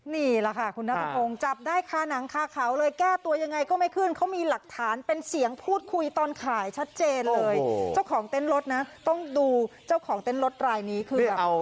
นี่แหละค่ะคุณนัทพงศ์จับได้คาหนังคาเขาเลยแก้ตัวยังไงก็ไม่ขึ้นเขามีหลักฐานเป็นเสียงพูดคุยตอนขายชัดเจนเลยเจ้าของเต้นรถนะต้องดูเจ้าของเต้นรถรายนี้คือ